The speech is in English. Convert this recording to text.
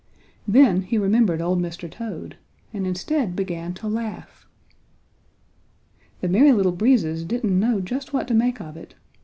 Then he remembered old Mr. Toad and instead began to laugh. The Merry Little Breezes didn't know just what to make of it.